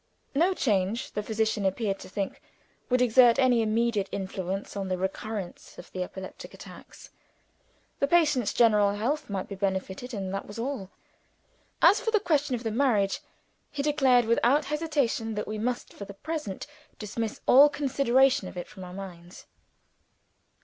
No change, the physician appeared to think, would exert any immediate influence on the recurrence of the epileptic attacks. The patient's general health might be benefited, and that was all. As for the question of the marriage, he declared without hesitation that we must for the present dismiss all consideration of it from our minds.